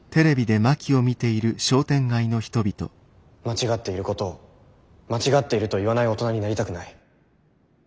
間違っていることを間違っていると言わない大人になりたくない。